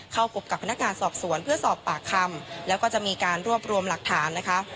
เข้าพบกับพนักงานสอบสวนเพื่อสอบปากคำแล้วก็จะมีการรวบรวมหลักฐานนะคะ